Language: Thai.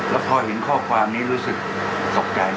แล้วพอเห็นข้อความนี้รู้สึกตกใจ